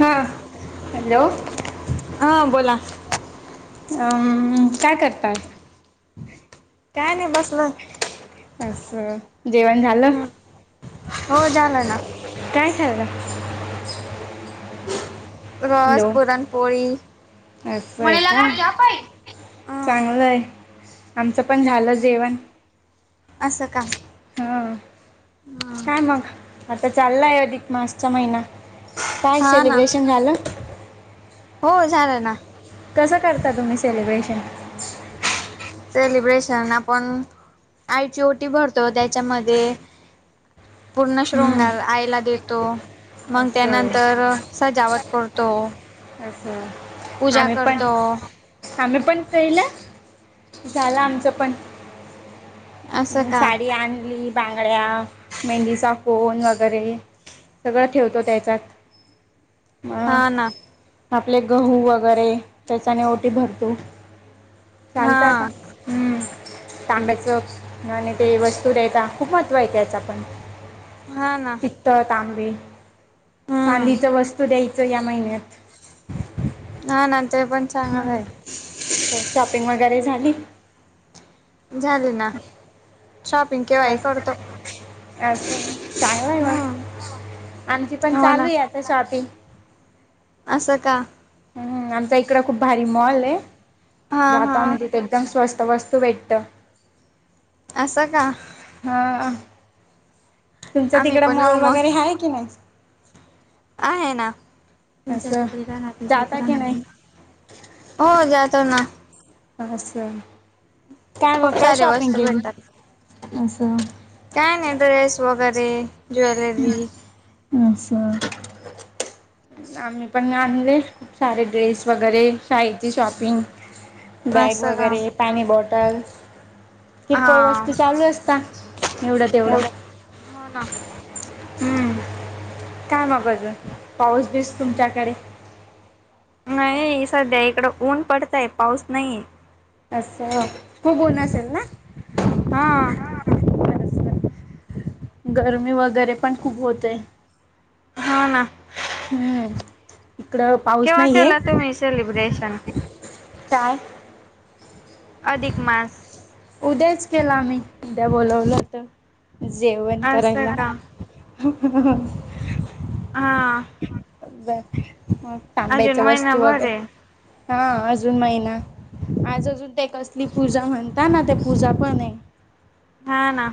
हा हॅलो हा बोला अम काय करतात काय नाही बसला अस जेवण झालं हो झालं ना काय खेळ रस पुरणपोळी असं आहे का म्हणेलागायच अ चांगलं आहे आमचं पण झालं जेवण असं का हा काय मग आता चाललाय अधिक मासचा महिना काय हा ना सेलिब्रेशन झालं हो झालं ना कसं करता तुम्ही सेलिब्रेशन सेलिब्रेशन आपण आईची ओटी भरतो त्याच्यामध्ये पूर्ण हम्म, शृंगार आयला देतो मग असं आहे त्यानंतर सजावट करतो असं आहे. पूजा आम्ही पण करतो आम्ही पण पहिलं झाला आमचं पण असं का साडी आणली बांगड्या मेहंदीचा कोन वगैरे सगळं ठेवतो त्याच्यात हा मग ना आपले गहू व वगैरे त्याचाने ओटी भरतो हा चालत आता हम्म तांब्याचं आणि ते वस्तू दयता खूप महत्त्व आहेेत याचा पण हा ना पितळ, तांबे हम्म चांदीच वस्तू द्यायचं या महिन्यात ह नंत ते पण चांगलं हम्म. आहे शॉपिंग वगैरे झाली झाले ना शॉपिंग केव्हाही करतो असं चांगलं हम्म मग आमची पण हो ना चालू आहे आता शॉपिंग असं का हम् आमचा इकड खूप भारी मॉल आहे हा जाता हा म तिथ एकदम स्वस्त वस्तू भेट्ट असं स का? तुमचं आम्ही तिकड पण येऊ माॉल मग वगैरे आहे की नाही? आहे ना तुमच्या असं तिकडे घरात जाता की नाही हो जातो ना असं काय मग खूप काय सारे शॉपिंग वस्तू केली भेटतात. असं काय नाही ते सुहाग ते ज्वेलरी हम् आम्ही पण आणले सारे ड्रेस वगैरे शाळेची शॉपिंग बॅग असं का वगैरे पाणी बॉटल किरकोळ हा वस्तू चालू असता एवढं तेवढं हो ना हम्म काय मग अजून पाऊस बीस तुमच्याकडे नाही सध्या इकडं ऊन पडतय पाऊस नाही अस खूप ऊन असेल ना हा गरमी वगैरे पण खूप होते हो ना हम्म इकडं पाऊस केव्हा नाहीये केला तुम्ही सेलिब्रेशन सण चय अधिक मास उद्याच केला मी डबल ओलत जेवण असं करायला का हा हा बर हा अजून तांब्याच्या वस्तू महिनाभर आहे. वगैरे हा अजून महिना आज अजून ते कसली पूजा म्हणतात ना ते पूजा पण आहे हा ना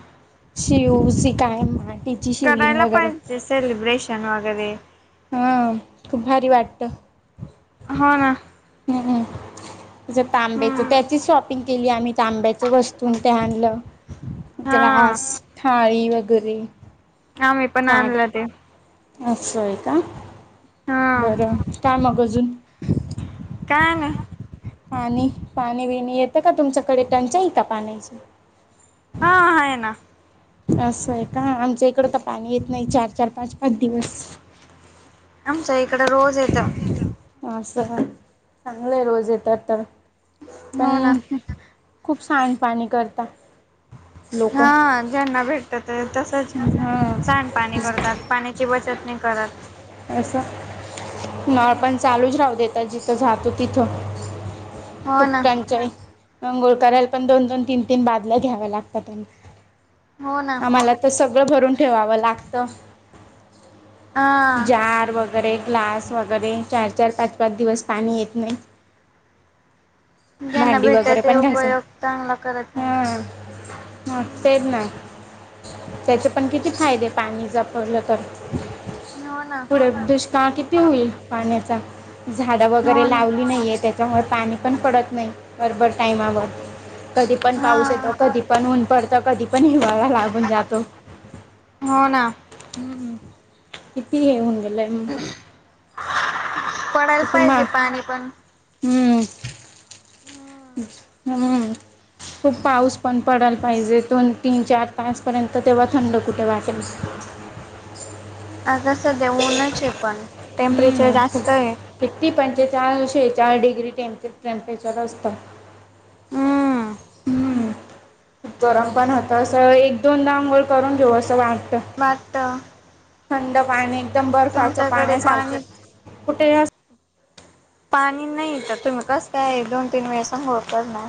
शिवसी काय माहित करायला पाहिजे सेलिब्रेशन वगैरे कधी हा खूप भारी वाटत हो ना हम्म तांब्याच हम्म त्याची स्व िंग केली आम्ही तांब्याच वस्तून ते आणलं हा ग्लास थाळी वगैरे आम्ही पण साठ आलं ते असं का हा बरं काय मग कजून काय नाय पाणी पाणी बिणी येतं का तुमच्याकडे टंचाई का पाण्याची हा आहे ना असं आहे का आमच्या इकड तर पाणी येत नाही चार चार पाच पाच दिवस आम इकड रोज येत अस चांगलं आहे रोज येत आता हो ना पण खूप सांडपणी करता लोक हा ज्यांना भेटतात ते तसच हा सांडपाणी करतात पाण्याची बचत नाही करत असं ना पण चालूच राहतो देता जिथं जातो तिथं हो ना खूपटांचा मंगळ करायला पण दोन दोन तीन तीन बादल्या घ्याव्या लागतात आणी हो ना आम्हाला त स सगळं भरून ठेवावं लागत हा जार वग वगैरे ग्लास वगैरे चार चार पाच पाच दिवस पाणी येत नाही ज्यांना भांडी वगैरे भेटत ते पण घायच उपयोग चांगला करत नाही हा म तेच ना त्याचे पण किती ती फायदे पाणी जपडलं तर हो ना [inaudible] पुढ दुष्काळ किती होईल पाण्याचा झाडं वगैरे हो ना लावली नाही आहे त्याच्यामुळे पाणी पण पडत नाही बरबर टायमावर कधी पण पाऊस हा येतो कधी पण ऊन पडत कधी पण हिवाळा लागून जातो हो ना ह किती हेऊन लय मी पडायला पाहिजे पाणी पण हम हम् खूप पाऊस पण पडाला पाहिजे दोन तीन चार तासपर्यंत तेव्हा थांबल कुठे वाटेल आग दे्याऊनच आहे पण टेम्परेचर जास्त आहे चारशे चार डग्री टे टेम्परेचर असत हम्म हम्म खूप गरम पण होत अस एक दोनदा अघळ करून घेऊ असं वा भारत थंड पाणी एकदम बर्फाच पाण्यासारखं पाणी कुठे पाणी नाही तर तुम्ही कस काय दोन तीन वेळेसां होत ना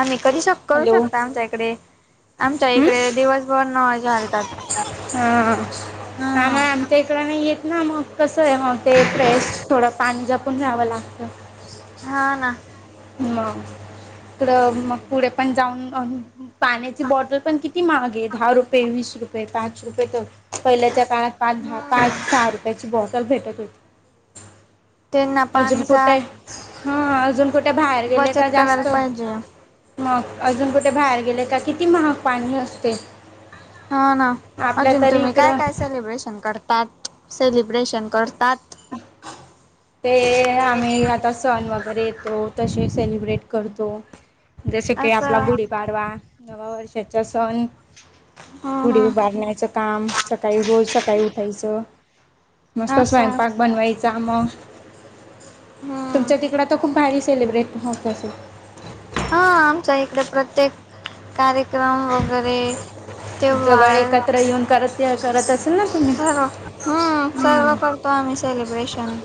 आ कधी करू हॅलो शकता आमच्या इकडे आमच्या हम्म इकडे दिवसभर न मजा घालतात हा आम्हा हम आमच्या इकडं नाही येत ना मग कसं आहे मग ते फ्रेश थोडं पाणीजपण जावं लागत हा ना मग मग पुढे पण जाऊन पाण्याची बॉटल पण किती महागे दहा रुपये वीस रुपये पाच रुपये तर पहिल्याच्या काळात पाच द पाच सहा रुपयाची बॉटल भेटत होती ते ना पाणीचा हा अजून त्या बाहेर गेले का बचत करायला जास्त पाहिजे मग अजून कुठे बाहेर गेले का किती महाग पाणी असते.. हा ना आपल्या अजून तरी तुम्ही काय इकडं काय सेलिब्रेशन करतात. सेलिब्रेशन करतात. ते आम्ही आता सण वगैरे येतो तसे सेलिब्रेट करतो. जस की आपला असं गुढी पाडवा. नवा वर्षाचा सण.. हम्म गुढी हम्म उभारण्याचं काम... सकाळी रोज सकाळी उठायचं.. मस्त असं स्वयंपाक बनवायचा मग... हम्म तुमच्या तिकड तर खूप... भारी सेलिब्रेट होत अस... हा आमच्या इकडे प्रत्येक कार्य... क्रम वगैरे जवळ त्योहार.... एकत्र येऊन करत करत असेल ना तुम्ही सर्व हम्म सर्व हम्म करतो आम्ही.. सेलिब्रेशन...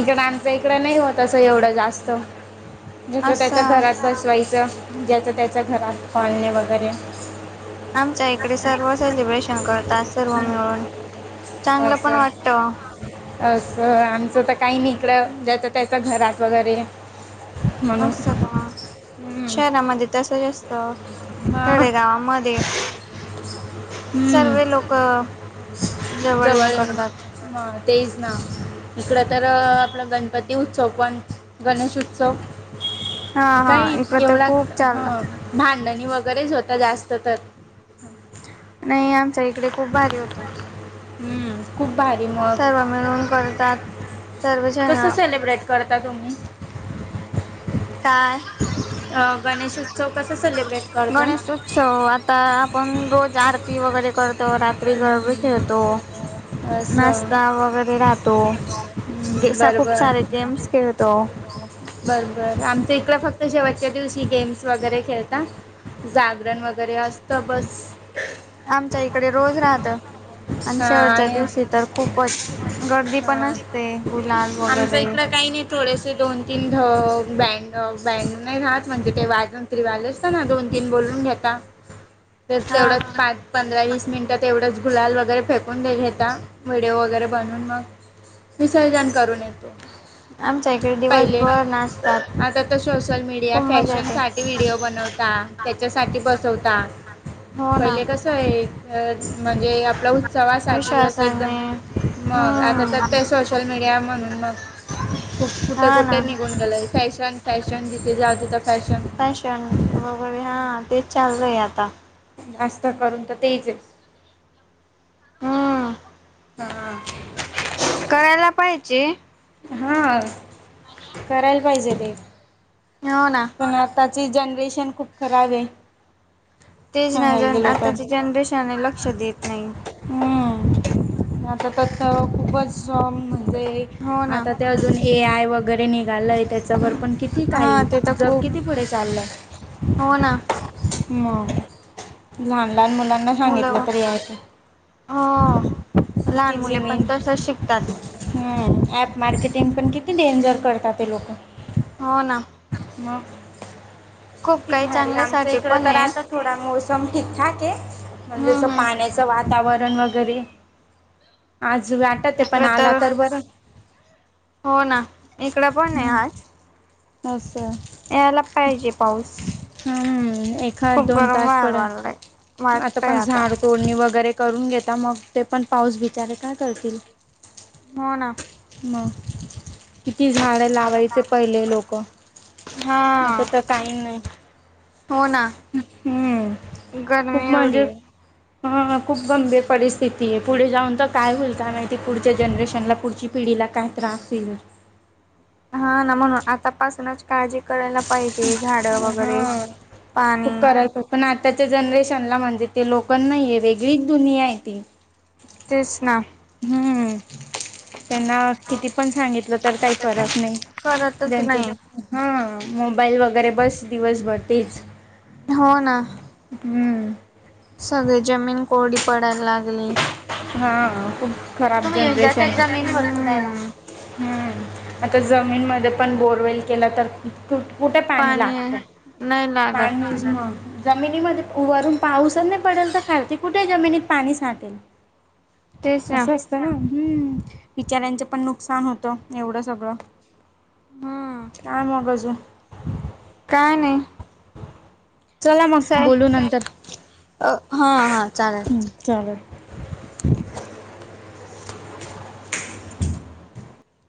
इकडं आमच्या इकडे नाही होत असं एवढं... जास्त जिथ त्याच्या असं घरात बसवायचं. ज्याचं त्याच्या घरात पाळणे वगैरे... आमच्या इकडे सर्व सेलिब्रेशन करतात सर्व मिळून... चांगलं पण वाटतं असं असं आमचं तर काही नाही... इकड ज्याचं त्याच्या घरात वगैरे.. म्हणून असं का हम्म शहरामध्ये तसंच असत..... हा खेडेगावामध्ये हम्म सर्व लोक जवळ येऊन करतात. मग तेच ना इकडं तर आपला गणपती उत्सव पण गणेश उत्सव.. हा हा काही इकडं तर एवढा खूप चाललं.. हं भांडणी वगैरेच होता जास्त तर... नाही आमचा इकडे... इकडे खूप भारी होतात... हम्म... खूप भारी मग करतात कस सर्वजण सेलिब्रेट करता तुम्ही... काय अं, गणेश उत्सव कसं सेलिब्रेट करता गणेशोत्सव आता आपण रोज आरती वगैरे करतो रात्री.... त [unintelligible] सेतो [unintelligible] असं नाश्ता वगैरे राहतो हम्म, खूप बरोबर सारे गेम्स खेळतो. बर बर आमच इकड फक्त शेवटच्या दिवशी गेम्स वगैरे खेळतात जागरण वगैरे असतं बस आमच्या इकडे रोज राहत आणि हां शेवटच्या आणि दिवशी तर खूपच गर्दी पण हां असते गुलाल वगैर आमच्या इकडं काही नाही थोडेसे दोन तीन बँड बँड नाही राहात म्हणजे ते वाजून तरी वाजचत ना दोन तीन बोलून घेता. तर हा तेवढंच हा. पाच पंधरा वीस मिनिटात तेवढंच गुलाल वगैरे फेकून व्हिडिओ वगैरे बनून मग विसर्जन करून येत आमच्या इकडे पहिले दिवसभर नाचतात आता तर सोशल मीडिया खूप मजा फॅशन येते साठी व्हिडिओ बनवता त्याच्यासाठी ब चौथा हो ना. पहिले कस आहे. अ म्हणजे आपल्या उत्सवासाठी एकदम विश्वासाने मग आता तर हम्म ते सोशल मीडिया म्हणून मगूप कुठे हा कुठे ना. निघून गेलायचं. फॅशन फॅशन दिे जाते फॅशन वगैरे हा तेच चालू आता जास्त करून तर तेच हम्म हा. करायला पाहिजे. हां करायला पाहिजे ते. हो ना. ची जनरेशन खूप खराब आहे. तेच ना सांगायला जन गेलो तर आताची जनरेशन आहे ल क्ष देत नाही. म आता प तावा खूपच [unintelligible] म्हणजे हो ना आता ते अजून एआये वगैरे निघालंय. त्याच्यावर पण किती काही हा ते तर जग खूप किती पुढे चाललंय हो ना मग लहा लहान मुलांना सांगितलं मुलं तरी येतं. हो लहान मुले पण तसच शिकतात. हां ॲप मार्केटिंग पण किती डेंजर करतात ते लोकं हो ना म खूप किती काही भारी आमचं चांगल्यासाठी इकड पण तर आहे आता थोडा मोसम ठीकठाक के म्हणजे हम्म असं हम्म पाण्याचं वातावरण वगैरे आज वाटत है पण आला तर बरं. हो ना इकड पण आहे आज तस यायला पाहिजे पाऊस [inaudible] हम्म एखा खूप दोन गरम तास व्हायला पडल, लागलाय आता वाटतय पण झाड तोडणी वगैरे करून घेता मग ते पण पाऊस बिचारे काय करतील? हो ना म किती झाडें लावायचे पहिले लोक हा आता तर काही नाही हो ना हम्म खूप गरमी एवढी म्हणजे आहे हां खूप गंभीर परिस्थिती हे पुढे जाऊन तर काय होईल काय माहिती पुढच्या जनरेशनला पुढची पिढीला काय त्रास होईल हा ना म्हणून आतापासूनच काळजी करायला पाहि हां खूप पाणी कडक [unintelligible] ना त्याच्या जनरेशनला म्हणजे ते लोक नाहीये वेगळीच दुनिया आहे ती तेच ना हम्म त्यांना किती पण सांगितलं तर काही फरक नाही करतच नाही ज्याचं हां मोबाईल वगैरे बस दिवसभर तेच हो ना हम्म सगळी जमीन कोरडी पडायला लागली हा खुप खराब तुम्ही येऊन जा त्या जनरेशन जमीन वर पुरायला हं आता जमीनमध्ये पण बोरवेल केला तर कु कुठे पाणी लागत नाही लागत पाणी [unintelligible] जमिनीमध्ये वरून पाऊसच नाही पडेल तर खालती कुठे जमिनीत पाणी साठेल. असं असतं ना, हम्म बिचाऱ्यांचं पण नुकसान होतं एवढं सगळं. हम्म काय मग अजून [inaudible] नाही नाही [unintelligible] चला मग बोलू नंतर. अं हा हां. हू चालेल